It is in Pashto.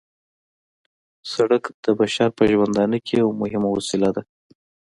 سرک د بشر په ژوندانه کې یوه مهمه وسیله ده